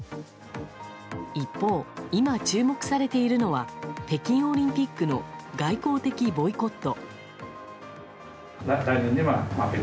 一方、今注目されているのは北京オリンピックの外交的ボイコット。